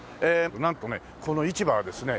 なんとねこの市場はですね